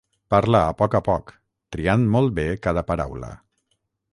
Parla a poc a poc, triant molt bé cada paraula.